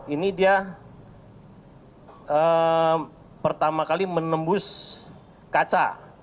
ini dia pertama kali menembus kaca